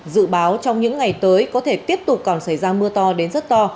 dự báo trong những ngày tới có thể tiếp tục còn xảy ra mưa to đến rất to